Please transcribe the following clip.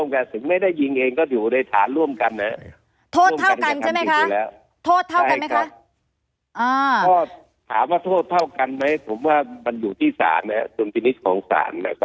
อ๋อคือไม่เกี่ยวกับว่าใครเป็นคนยิงใช่ไหมคะ